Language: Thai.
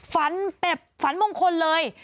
ฝันมงคลเลย